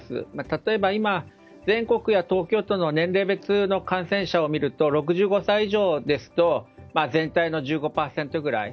例えば今、全国や東京の年齢別の感染者を見ると６５歳以上ですと全体の１５％ぐらい。